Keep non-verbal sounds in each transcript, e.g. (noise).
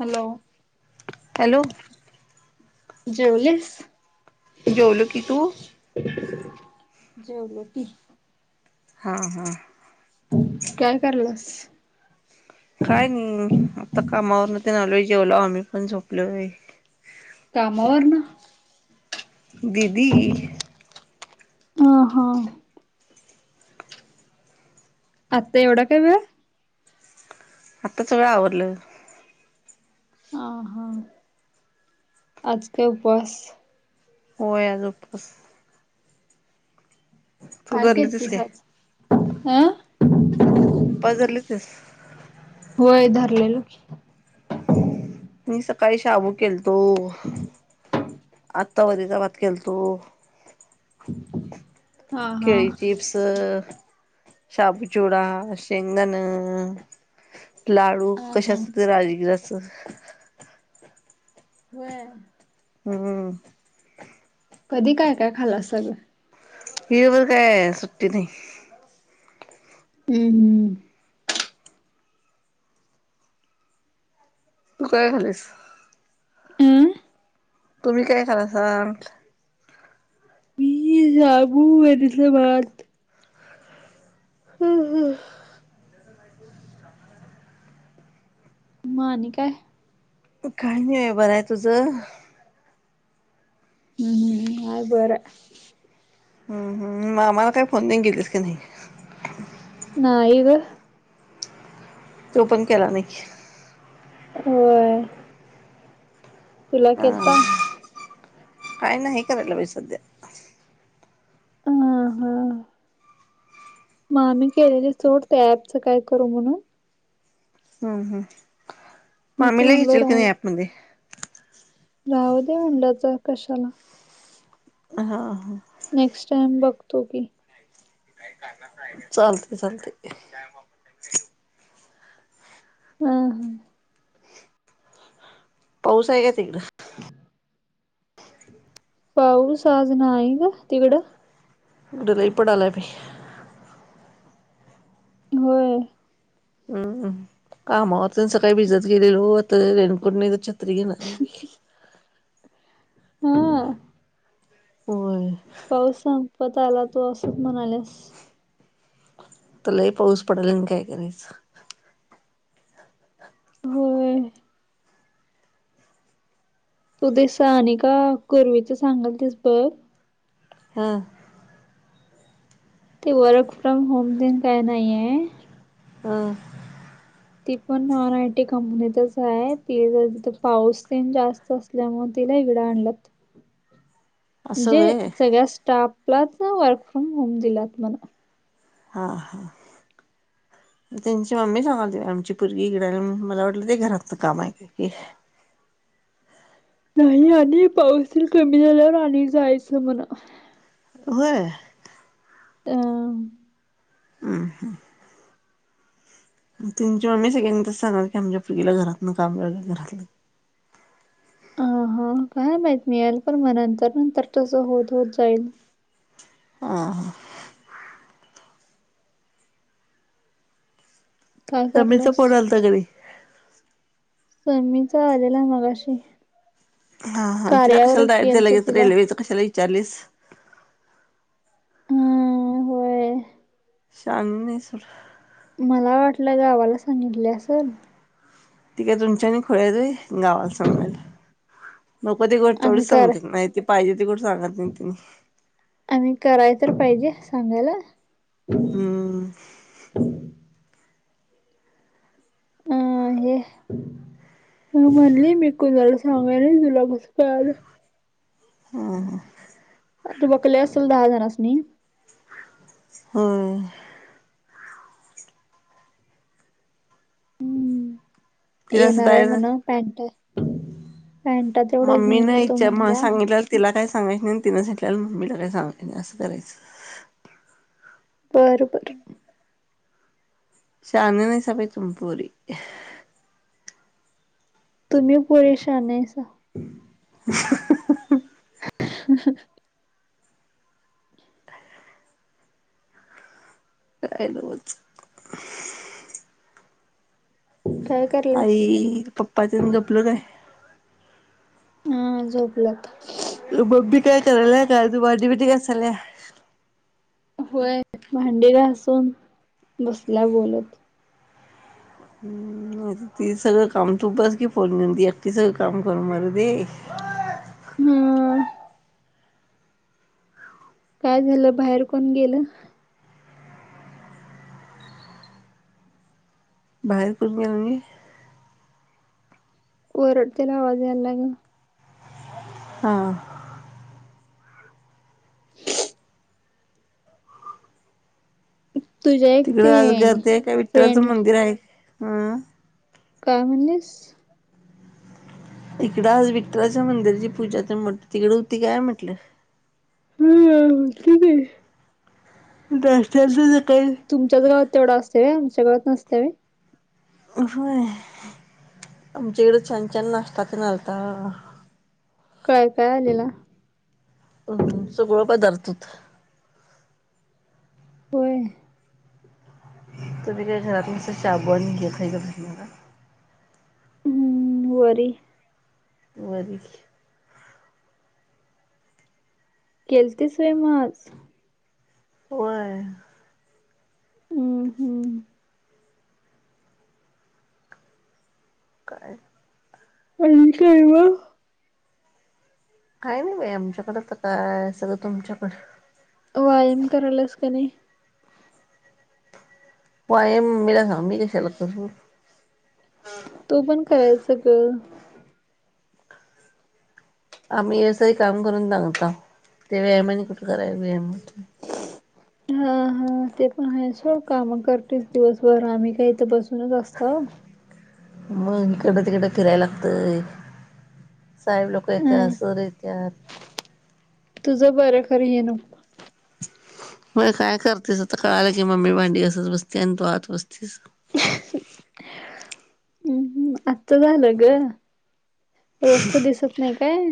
Hello! Hello! जेवलीस. जेवलो की, तू जेवलो की. हां हां काय करल्यास. काय नाही मग आता कामावरन तेन आलोय जेवलो आम्ही पण झोपलोय. कामावर न दिदी. हा हा आता एवढा का वेळ आता सगळ आवरलं हा हा आज काय उपवास. होय आज उपवास. तू काय धरलीतीस केलतीस काय आज? आ.. उपवास धरलीतीस होय धरलेलो की, मी सकाळी शाबू केलतो, आत्ता वरीचा भात केलतो. हा हा. केळीच चिप्स. शाबू चिवडा, शेंगदाणे, लाडू हा हा. कशाच तर राजगिराच. होय. हम्म कधी काय काय खाला सगळं. इल भर काय सुट्टी नाही. हम्म हम्म तू काय खालीस. अं तुम्ही काय खल्लासा. म्हणाले तबू म तिले भाात (inaudible) हम्म हम्म मग आणि काय? काही नाही आहे बरं आहे तुझं. हम्म हम्म हाय बरं हाय हम्म हम्म मग आम्हाला काही फोन नाहीन गेलीस का नाही. नाही ग. तो पण केला नाही. होय. तुला केलता. हा काय नाही करायला बाई सध्या. हा हा मामी केलेलो सोड ते ऍपचं काय करू म्हणून, ह ह मीच मामीला म्हणलो घेचील का नाही ऍपमध्ये. राह दे म्हनलं आता कशाला. हा हा नेक्स्ट टाइम बघतो की चालते चालते काय मग हम हम पाऊस हाय काय तिकडं? पाऊस आज न्हाई गं, तिकडं? इकड लय पडालाय बाई होय. हम्म हम्म कामावर तर सकाळी भिजत गेलेलो तर रेनकोट नाही तर छत्री घेणार हाय बाई हम होय. आता पाऊस संपत आला तु असंच म्हणाल्यास हित लई पाऊस पडालाय आणि काय करायचं. होय. तू ते सानिका कोरवीचं सांगालतीस बघ हम ते र्वक फ्रॉम होम तेन काय नाही आहे हम ती पण ऑन आय टी कंपनीतच हाय तीथ पाऊस तेन जरास असल्यामुळं तिला इकडं आणल्यात असं म्हणजे व्हय सगळ्या स्टापलाच वर्क फ्रॉम होम दिल्यात म्हण हा हा. त्यांची मम्मी सांगालती आमची पूरगी इकड आल्या म्हणून मला वाटलं ते घरात काम हाय काय की नाही आणि पाऊसतेन कमी झाल्यावर आणि जायचं म्हणं आता होय? अ म. हम्म हम. आणि तेंची मम्मी सगळ्यांना तस सांगाल्या की आमच्या पुरगीला घरातनं काम लागले घरातलं आ हा काय माहीत मि याल पण म नंतर नंतर तसं होत होत जाईल हा हा काय ममीचा करलास फोन आलता काय नाही? ममीचा आलेला मगाशी हा हा, तिला कशाला कार्यावरच डायरेक्ट ते गेलतो लगेच तिला रेल्वेचं कशाला विचारलीस हम्म होय शांनी नाही सोड मला वाटलं गावाला सांगितली असलं. ती काय तुमच्यावाणी खुळी हायीत होय, गावाला सांगायला. नको ते गोष्ट आम्ही तेवढच कर सांगत्यात नाही ते पाहिजे ती गोट सांगत नाहीत तेन्ही आणि कराय तर पाहिजे सांगायला हम्म. अ हे ह म्हणली मी कूणाला सांगाय नाई तुला कस कळालं? हा हा. आता वकली असल दहा जंणासनी हम तिला असं येणार आहे डायरेक्ट म्हणा पँट, पँ मम्मीनं इच्या म सांगितलेलं तिला काय सांगायचं नाही, आणि तिनं सांगितलेलं मम्मीला काय सांगायचं नाही असं करायचं. बरं बर. शानं नाईसा बाई तुम्ही पोरी. तुम्हीं पोरी शानं हाईसा. काय नवचं. काय करल्यास आई पप्पा तेन झोपलं काय? हा झोपल्यात. मम्मी काय कराल्या काय? अजून भांडी-बिंडी घासाल्या काय? व्हयं भांडी घासून, बसल्या बोलत. हुं.... नाहीतर ती सगळं काम तू बस की, फोन घेऊन ती एकटी सगळं काम करून मरू दे. हं..... काय झालं बाहेर कोण गेलं.? बाहेर कोण गेलं नाही. वरडतेला आवाज यालाय गं. हां- तुझ्या एक ते तिकडं आज गर्दी हाय काय, विठ्ठलाचं फ्रेंड मंदिर आहे? हं काय म्हणलीस? इकडं आज विठ्ठलाच्या मंदिरची पूजा होती, मग तिकडं होती काय म्हटलं. हं हुती की. नाष्ट्याचं हुतं काय. तुमच्याच गावात तेवढं असतय व्हय, आमच्या गावात नसतयं व्हय. व्हयं आमच्याकडं छान- छान नाष्टा तेन आलता. काय- काय आलेला? हं सगळं पदार्थ हुतं. होय. तुम्हीं काय घरात नुसतं शाबू आणि हे खाईत बसणारा. हम्म वरी. वरी. केलतीस व्हयं मग आज. व्हंय. हं, हूं.. काय आणि काय मग. काही नाही बाई आमच्याकडं आता काय सगळं तुमच्याकडं. वायाम कराल्यास का नई. वायाम मम्मीला सांग, मी कशाला करू. तू पण करायचं गं. आम्हीं असं ही काय करून दमताव, ते व्यायाम आणि कुठं कराय वेळ मिळतोय. हा, हा. ते पण आहे सोड काम करतीस दिवसभर, आम्हीं काय इथं बस सूनच आसताव. मग हिकडनं- तिकडं फिराय लागतंय, साहेब लोकं अ येत्यात, सर येत्यात. तुझं बरं खरं हे नको. व्हयं काय करतीस आता कळालं की, मम्मी भांडी घासत बसत्या आणि तू आत बसतीस. आजचं झालं गं. रोजचं दिसत नाई काय?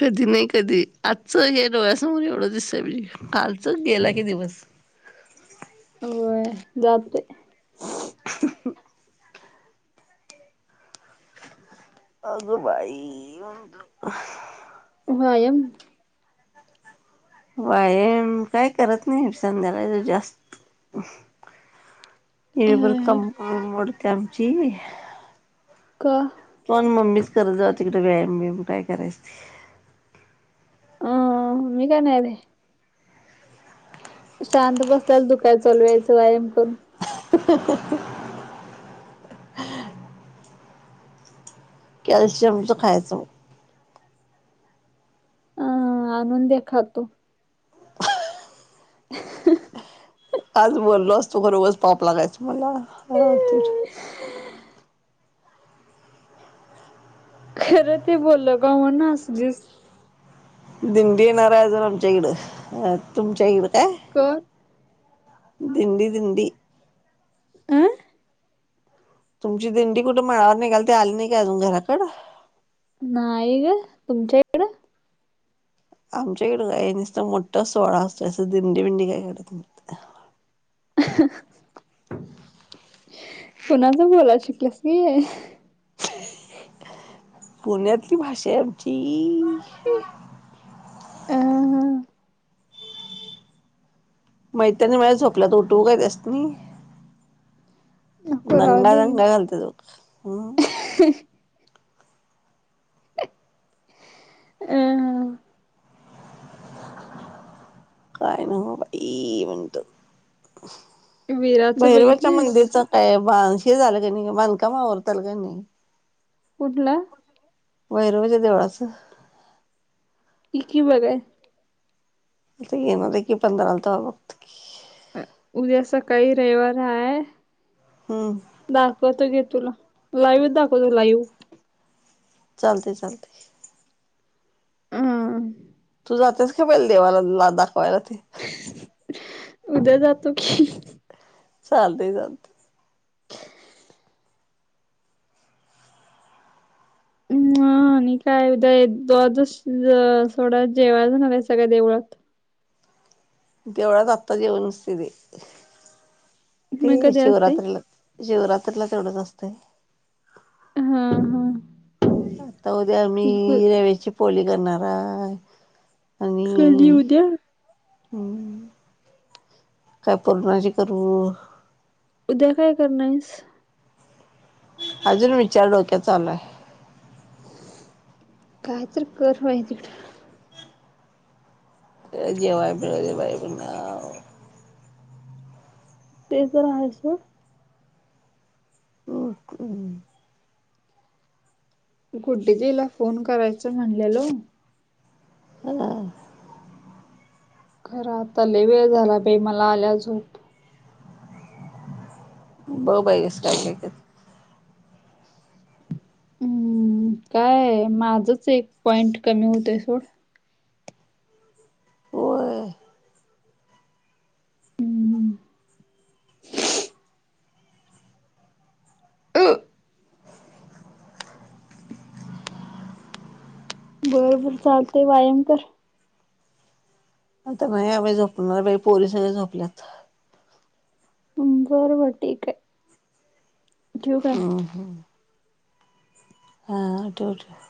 कधी नाही कधी. आजचं हे डोळ्यासमोर एवढं दिस कालचं, गेला की दिवस. होय, जातोय. (unintelligible) अगं बाई! (unintelligible) वायम, काय करत नाही संध्याकाळचं जास्त अ ईळबर कंबर मोडती आमची का? पण मम्मीच करत जाऊ तिकडें व्यायाम-बियाम काय करायचं ते. अ, मी काय नायले शांत बसल्याल दुकाय चलू वायचं वायाम करून. (unintelligible) कॅल्शियमचं खायाचं. अ आणून दे, खातो. (unintelligible) आज बोललो असतो पर उगंच पाप लागायचं मला. आ ती (unintelligible) खरं ते बोललो गं, म्हणून हसलीस. दिंडी येणारय अजून आमच्या इकडं. अ तुमच्या इकडं काय क दिंडी, दिंडी. आं? तुमची दिंडी कुठे मळ्यावर निघालं, ते आली नाही काय अजून घराकडे? नाही गं, तुमच्याइकडं? आमच्याइकडं काय निसता मोठा सोळा असतोय. असं दिंडीबिंडी काय करत नाही. हं, कुणाचं बोलाय शिकलीस की हे? पुण्यातली भाषा आहे आमची. अ मैतरनी मधे झोपल्यात. उठवू का त्यास्नी? नको राहू दे की. दंगा-रंगा घालत्यात. हम्म. अं. काय ना म बाई म्हणतं. विराच भैरवाच्या बघितलीस? मंदेचं ऐ ब हे झालं का नाही गं. बांधकाम आवरताल का नाही? कुठलं? भैरोबाच्या देवळाचं. इ कि बघाय. आता येणारय की पंधराला. तवा बघू उद्या सकाळी रयवार हाय. हम्म. दाखवतो गे तुला. लाईव्हच दाखवतो, लाईव्ह. चालतंय. चालतंय. हम्म. तू जातेस का पहिलं, देवाला ला दाखवायला ते? उद्या जातो की. चालतंय चालतंय. म आणि काय उद्या द्वादशी् सोडा जेवाय जाणाराय सगळ्या देवळात. देवळात आत्ता जेवं नसतय ते मग ते कधी असते शिवरात्रीला. शिवरात्रीला तेवढंच असतंय. अं हं. आता उद्या मी रेव्याची पोली करणाराय. कधी अणि उद्या हं. काय पुरणाची करू? उद्या काय करणायस? अजून विचार डोक्यात चालूय. काय तरी कर बाई तीकडं. जेवाय मिळुदे बाई म्हणाव. ते तर हायच हो. ओके. गुड्डी दिला फोन करायचं म्हणलेलो. ह. खरा आता लय वेळ झाला बाई मला आल्या झोप. ब बाई असं काय काय कर. हम्म काय माझंच एक पॉइंट कमी होतोय सोड. होय. हम्. (unintelligible) बर बर चालते व्यायाम कर. आता बया बाई झोपणार बाई पोरी सया झोपल्यात. बरोबर ठीके. ऊं हुं. हा हा ठेव ठेव.